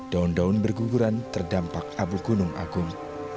daun daun berguguran terdampak abu gunung agung